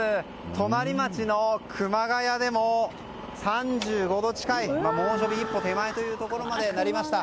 隣町の熊谷でも、３５度近い猛暑日一歩手前というところまでなりました。